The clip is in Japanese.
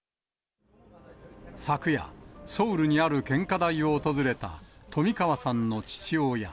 昨夜、ソウルにある献花台を訪れた冨川さんの父親。